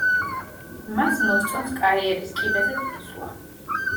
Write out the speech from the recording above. მას მოსწონს კარიერის კიბეზე წინსვლა.